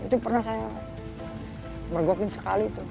itu pernah saya mergokin sekali tuh